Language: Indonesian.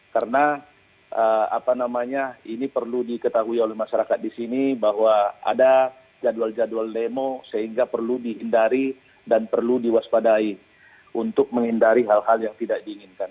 karena ini perlu diketahui oleh masyarakat di sini bahwa ada jadwal jadwal demo sehingga perlu dihindari dan perlu diwaspadai untuk menghindari hal hal yang tidak diinginkan